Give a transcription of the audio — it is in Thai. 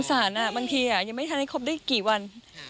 สารบางทียังไม่ทันให้ครบได้กี่วัน